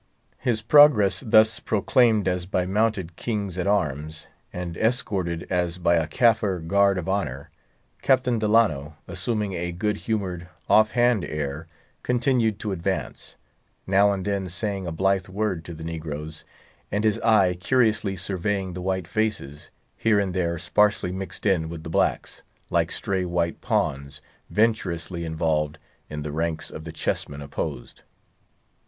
His progress thus proclaimed as by mounted kings at arms, and escorted as by a Caffre guard of honor, Captain Delano, assuming a good humored, off handed air, continued to advance; now and then saying a blithe word to the negroes, and his eye curiously surveying the white faces, here and there sparsely mixed in with the blacks, like stray white pawns venturously involved in the ranks of the chess men opposed.